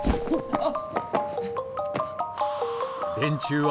あっ！